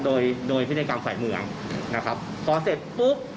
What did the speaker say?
โดยโดยพินัยกรรมฝ่ายเมืองนะครับพอเสร็จปุ๊บ